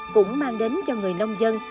cũng mang đến cho người nông dân